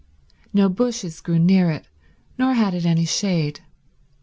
No bushes grew near it, nor had it any shade.